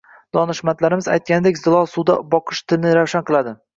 Donishmandlarimiz aytganidek, zilol suvga boqish dilni ravshan qiladi